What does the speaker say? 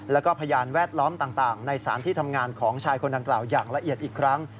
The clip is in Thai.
แล้วก็พยานแวดล้อมต่างในสารที่ทำงานของชายคนดังกล่าวอย่างละเอียดอีกครั้ง